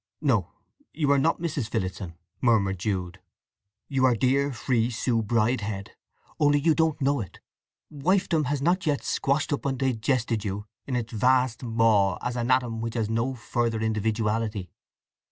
"No, you are not Mrs. Phillotson," murmured Jude. "You are dear, free Sue Bridehead, only you don't know it! Wifedom has not yet squashed up and digested you in its vast maw as an atom which has no further individuality."